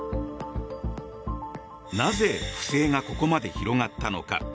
なぜ、不正がここまで広がったのか。